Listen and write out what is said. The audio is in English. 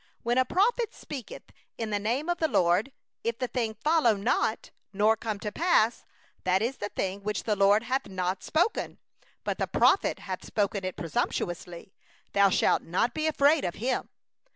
22When a prophet speaketh in the name of the LORD, if the thing follow not, nor come to pass, that is the thing which the LORD hath not spoken; the prophet hath spoken it presumptuously, thou shalt not be afraid of him.